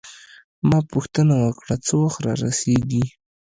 ما پوښتنه وکړه: څه وخت رارسیږي؟